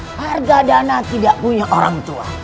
harga dana tidak punya orang tua